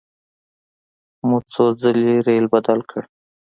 مو څو ځلې ریل بدل کړ.